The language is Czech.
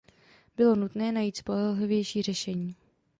Bylo nutné najít spolehlivější řešení.